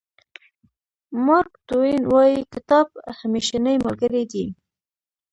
مارک ټواین وایي کتاب همېشنۍ ملګری دی.